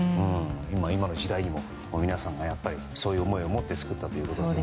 今の時代にも皆さんがそういう思いを持って作ったと。